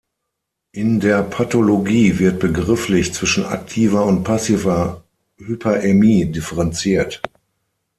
In der Pathologie wird begrifflich zwischen aktiver und passiver Hyperämie differenziert.